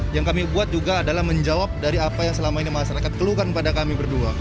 yang kami buat juga adalah menjawab dari apa yang selama ini masyarakat keluhkan pada kami berdua